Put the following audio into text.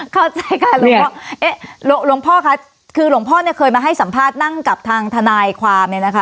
เข้าใจค่ะหลวงพ่อเอ๊ะหลวงพ่อคะคือหลวงพ่อเนี่ยเคยมาให้สัมภาษณ์นั่งกับทางทนายความเนี่ยนะคะ